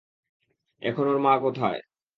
এখন ওর মা কোথায়?